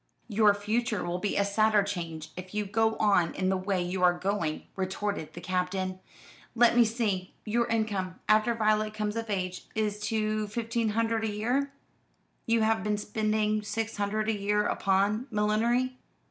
"Your future will be a sadder change, if you go on in the way you are going," retorted the Captain. "Let me see: your income, after Violet comes of age, is to be fifteen hundred a year. You have been spending six hundred a year upon millinery.